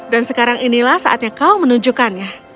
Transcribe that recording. dan sekarang inilah saatnya kau menunjukkannya